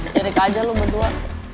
kirik aja lu berdua